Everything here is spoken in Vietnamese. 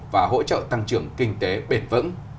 và hỗ trợ tăng trưởng kinh tế bền vững